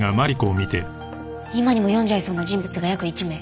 今にも読んじゃいそうな人物が約１名。